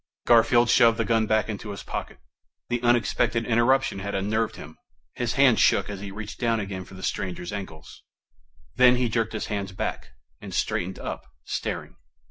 Garfield shoved the gun back into his pocket. The unexpected interruption had unnerved him; his hands shook as he reached down again for the stranger's ankles. Then he jerked his hands back, and straightened up, staring.